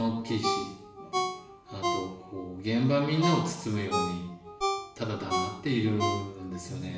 あとこう現場みんなを包むようにただ黙っているんですよね。